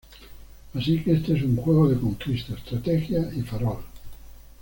Así que este es un juego de conquista, estrategia y farol.